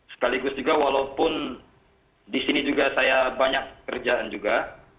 sekaligus juga walaupun di sini juga saya banyak kerjaan juga